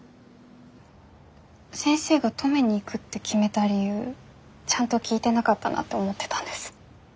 先生が登米に行くって決めた理由ちゃんと聞いてなかったなって思ってたんです。